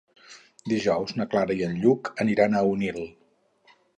Dijous na Clara i en Lluc aniran a Onil.